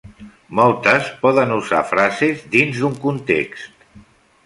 Moltes poden usar frases dins d'un context.